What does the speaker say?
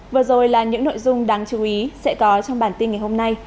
vừa rồi là những nội dung đáng chú ý sẽ có trong bản tin ngày hôm nay